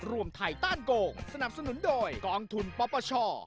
ร่วมไทยต้านโกงสนับสนุนโดยกองทุนป๊อปเปอร์ชอร์